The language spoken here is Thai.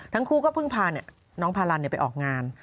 ทั้งคู่ก็เพิ่งพาน้องพาลันไปออกงาน